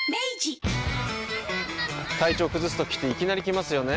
体調崩すときっていきなり来ますよね。